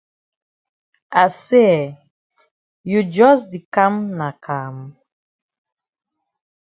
I say eh, you jus di kam na kam?